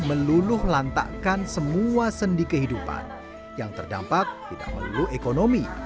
meluluh lantakkan semua sendi kehidupan yang terdampak tidak melulu ekonomi